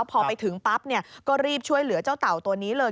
พอไปถึงปั๊บก็รีบช่วยเหลือเจ้าเต่าตัวนี้เลย